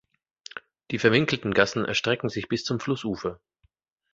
Die verwinkelten Gassen erstrecken sich bis zum Flussufer.